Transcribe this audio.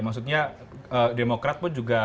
maksudnya demokrat pun juga